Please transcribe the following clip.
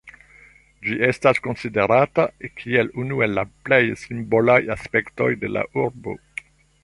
Ĝi estas konsiderata kiel unu el la plej simbolaj aspektoj de la urbo.